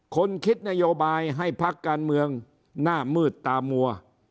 คนคิดนโยบายให้พักการเมืองหน้ามืดตามัว